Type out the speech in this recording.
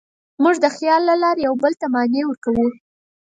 موږ د خیال له لارې یوه بل ته معنی ورکوو.